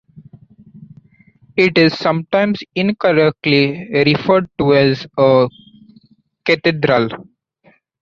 It is sometimes incorrectly referred to as a cathedral.